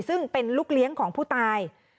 ซึ่งเป็นลูกเลี้ยงของผู้ตาย